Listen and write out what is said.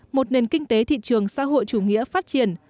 một nền kinh tế thị trường xã hội chủ nghĩa phát triển